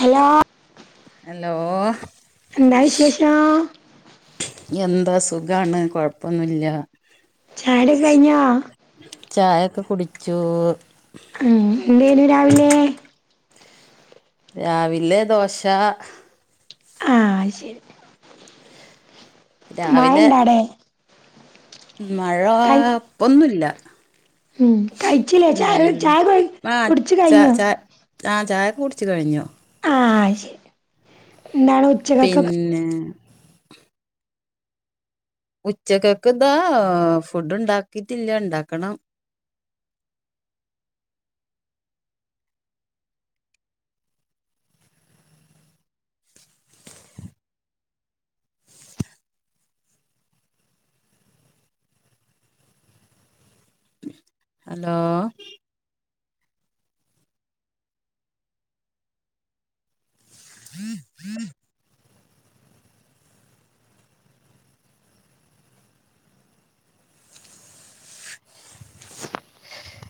hello hello എന്താ വിശേഷം എന്താ സുഖാണ് കൊഴപ്പൊന്നുല്ല ചായുടിയ്യൊക്കെകഴിഞ്ഞോ ചായൊക്കെ കുടിച്ചു ഉം എന്തേന്നു രാവിലെ രാവിലെ ദോശ ആഹ് ശരി മഴ രാവിലെ ഇണ്ടോ അവിടെ മഴ ഇപ്പൊന്നുല്ല ഉം കഴിച്ചില്ലേ ചായ ഇണ്ടായിരുന്നു ചായ ആ പ്പ കുടിച്ചു ച കഴിഞ്ഞോ ച ആഹ് ചായക്കേ കുടിച്ച് കഴിഞ്ഞു ആഹ് ശരി എന്താണ് ഉച്ചക്കൊക്കെ പിന്നെ ഉച്ചക്കക്ക് ഇതാ ഫുഡ് ഉണ്ടാക്കിട്ടില്ല ഉണ്ടാക്കണം ഹലോ [inaudible]